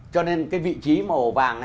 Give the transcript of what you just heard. cho nên cái vị trí màu vàng